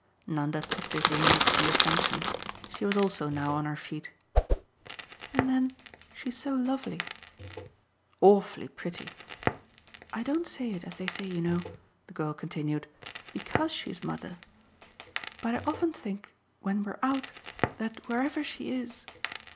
Nanda took this in with due attention; she was also now on her feet. "And then she's so lovely." "Awfully pretty!" "I don't say it, as they say, you know," the girl continued, "BECAUSE she's mother, but I often think when we're out that wherever she is